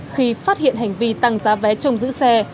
khi phát hiện hành vi tăng giá vé trong giữ xe